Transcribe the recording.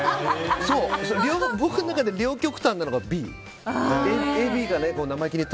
僕の中で両極端なのがＢですね。